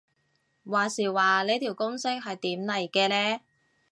話時話呢條公式係點嚟嘅呢